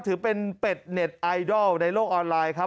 ถือเป็นเป็ดเน็ตไอดอลในโลกออนไลน์ครับ